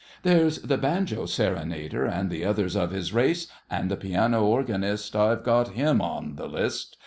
There's the banjo serenader, and the others of his race, And the piano organist—I've got him on the list!